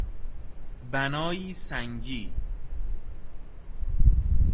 بنایی سنگی